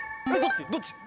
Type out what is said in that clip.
どっち？